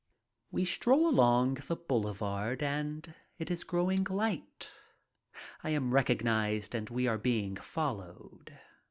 We stroll along the boulevard and it is growing light. I am recognized and we are being followed.